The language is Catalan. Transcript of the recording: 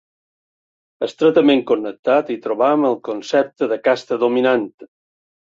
Estretament connectat hi trobem el concepte de casta dominant.